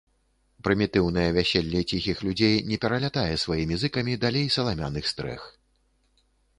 Прымітыўнае вяселле ціхіх людзей не пералятае сваімі зыкамі далей саламяных стрэх.